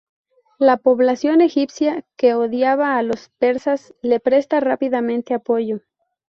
La población egipcia que odiaba a los persas le presta rápidamente apoyo.